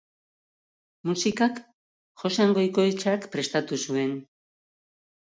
Musikak Joxan Goikoetxeak prestatu zuen.